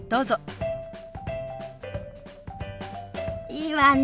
いいわね。